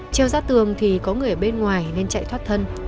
treo ra tường thì có người bên ngoài nên chạy thoát thân